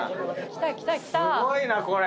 すごいなこれ！